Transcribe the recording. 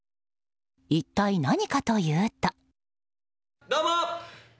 一体何かというと。